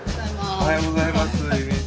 おはようございます。